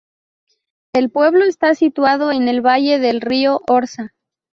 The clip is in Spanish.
El pueblo está situado en el Valle del río Orza.